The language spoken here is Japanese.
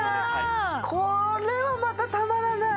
これはまたたまらない。